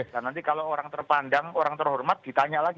dan nanti kalau orang terpandang orang terhormat ditanya lagi